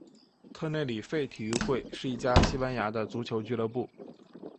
特内里费体育会是一家西班牙的足球俱乐部。